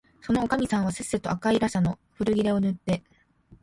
そのおかみさんはせっせと赤いらしゃの古切れをぬって、